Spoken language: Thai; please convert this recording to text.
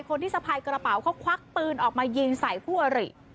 คนที่สะพายกระเป๋าเขาควักปืนออกมายิงสายผู้เอริ